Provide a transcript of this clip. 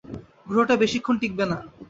গ্রহটা বেশিক্ষণ টিকবে না।